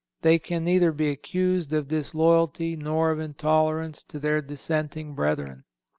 They can neither be accused of disloyalty nor of intolerance to their dissenting brethren.